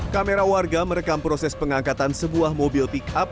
kamera warga merekam proses pengangkatan sebuah mobil pickup